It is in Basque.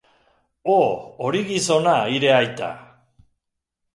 Oh, hori gizona, hire aita!